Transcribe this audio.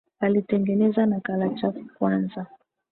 Alitengeneza nakala chafu kwanza